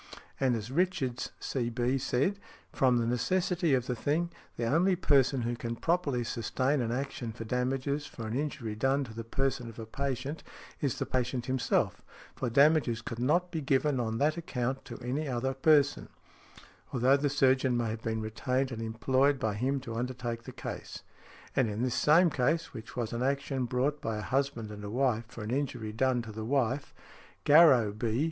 And as Richards, C.B., said: "From the necessity of the thing, the only person who can properly sustain an action for damages for an injury done to the person of a patient, is the patient himself, for damages could not be given on that account to any other person, although the surgeon may have been retained and employed by him to undertake the case" ; and in this same case, which was an |75| action brought by a husband and a wife for an injury done to the wife, Garrow, B.